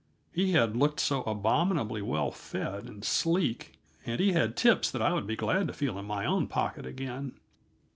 he had looked so abominably well fed and sleek, and he had tips that I would be glad to feel in my own pocket again.